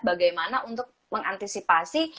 bagaimana untuk mengantisipasi